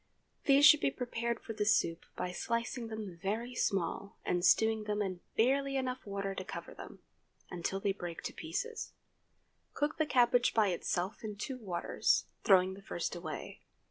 These should be prepared for the soup by slicing them very small, and stewing them in barely enough water to cover them, until they break to pieces. Cook the cabbage by itself in two waters—throwing the first away.